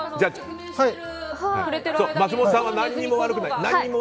松本さんは何も悪くない。